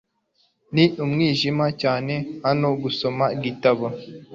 Ni umwijima cyane hano gusoma igitabo .